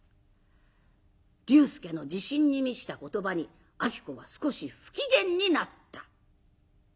龍介の自信に満ちた言葉に子は少し不機嫌になった。